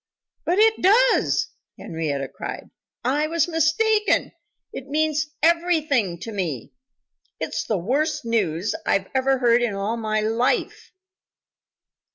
"But it does!" Henrietta cried. "I was mistaken. It means everything to me. It's the worst news I ever heard in all my life."